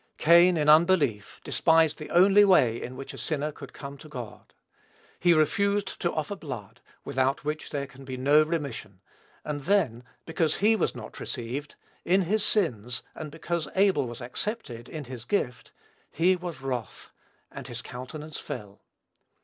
Cain, in unbelief, despised the only way in which a sinner could come to God. He refused to offer blood, without which there can be no remission; and then, because he was not received, in his sins, and because Abel was accepted, in his gift, "he was wroth, and his countenance fell."